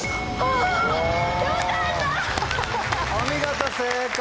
お見事正解！